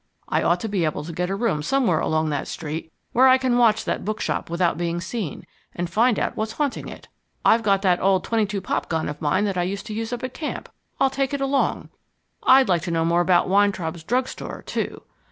"I ought to be able to get a room somewhere along that street, where I can watch that bookshop without being seen, and find out what's haunting it. I've got that old .22 popgun of mine that I used to use up at camp. I'll take it along. I'd like to know more about Weintraub's drug store, too.